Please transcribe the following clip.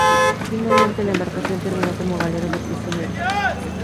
Finalmente la embarcación terminó como galera de prisioneros.